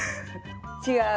違う。